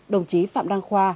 đồng chí phạm đăng khoa